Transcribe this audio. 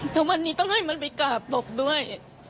แล้ววันนี้ต้องให้มันไปกราบตบด้วย